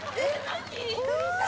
何？